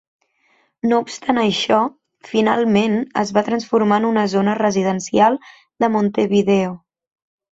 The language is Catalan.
No obstant això, finalment es va transformar en una zona residencial de Montevideo.